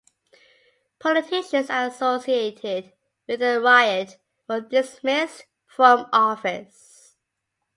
Politicians associated with the riot were dismissed from office.